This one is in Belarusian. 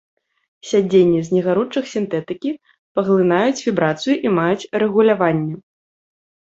Сядзенні з негаручых сінтэтыкі паглынаюць вібрацыю і маюць рэгуляванне.